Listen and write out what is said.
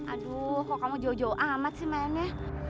aduh kok kamu jauh jauh amat sih mainnya